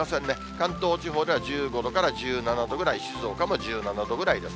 関東地方では１５度から１７度ぐらい、静岡も１７度ぐらいです。